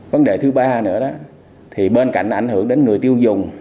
vấn đề thứ ba nữa đó thì bên cạnh ảnh hưởng đến người tiêu dùng